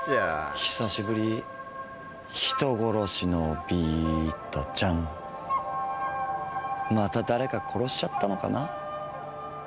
結局久しぶり人殺しのビートちゃんまた誰か殺しちゃったのかな？